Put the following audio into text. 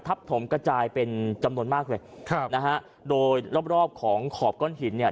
ทับถมกระจายเป็นจำนวนมากเลยโดยรอบของขอบก้อนหินเนี่ย